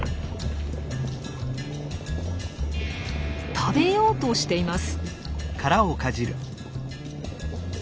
食べようとしています。